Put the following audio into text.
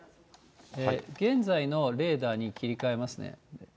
現在のレーダーに切り替えますね。